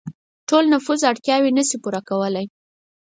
د ټول نفوس اړتیاوې نشي پوره کولای.